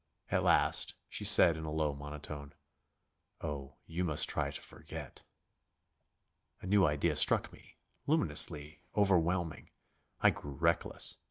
At last she said in a low monotone: "Oh, you must try to forget." A new idea struck me luminously, overwhelming. I grew reckless.